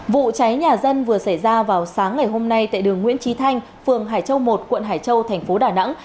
vụ cháy nhà dân vừa xảy ra vào sáng ngày hôm nay tại đường nguyễn trí thanh phường hải châu một quận hải châu thành phố đà nẵng